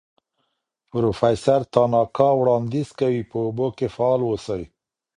پروفیسور تاناکا وړاندیز کوي په اوبو کې فعال اوسئ.